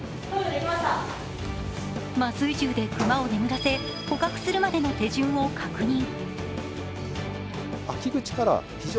麻酔銃で熊を眠らせ、捕獲するまでの手順を確認。